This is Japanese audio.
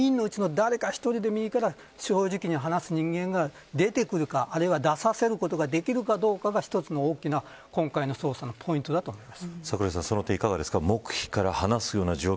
４人のうち誰か１人でもいいから正直に話してくれる人が出てくるか、あるいは出させることができるかどうかが一つの大きな捜査の今回のポイントだと思います。